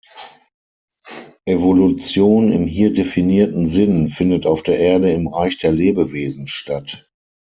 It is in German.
Evolution im hier definierten Sinn findet auf der Erde im Reich der Lebewesen statt.